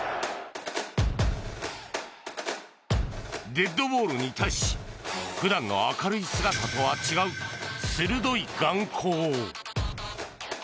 デッドボールに対し普段の明るい姿とは違う鋭い眼光。